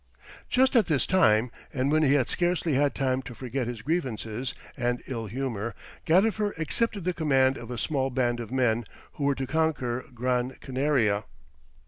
Just at this time, and when he had scarcely had time to forget his grievances and ill humour, Gadifer accepted the command of a small band of men who were to conquer Gran Canaria.